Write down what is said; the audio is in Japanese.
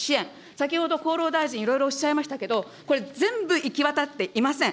先ほど、厚労大臣、いろいろおっしゃいましたけど、これ全部、行き渡っていません。